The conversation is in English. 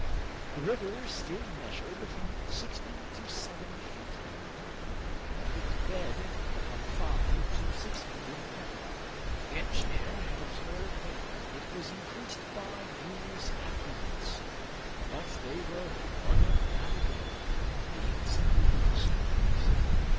The river still measured from sixty to seventy feet in breadth, and its bed from five to six feet in depth. The engineer had observed that it was increased by numerous affluents, but they were unnavigable, being simply little streams.